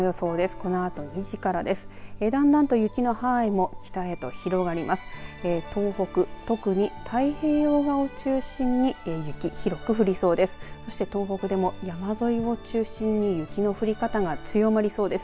このあと２時からです。